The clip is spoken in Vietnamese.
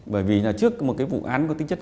bởi vì trước một vụ án có tính chất